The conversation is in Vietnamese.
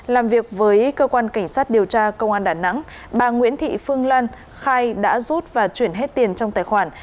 làm việc với cơ quan cảnh sát điều tra công an đà nẵng bà nguyễn thị phương lan khai đã rút và chuyển hết tiền trong tài khoản